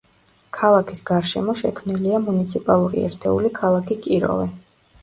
ქალაქის გარშემო შექმნილია მუნიციპალური ერთეული „ქალაქი კიროვი“.